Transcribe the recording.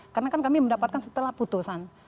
karena kan kami mendapatkan setelah putusan